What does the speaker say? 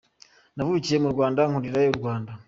Navukiye mu Rwanda nkurira i Rwanda.